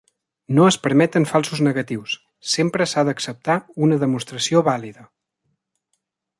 No es permeten falsos negatius: sempre s'ha d'acceptar una demostració vàlida.